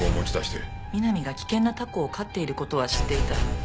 美波が危険なタコを飼っている事は知っていた。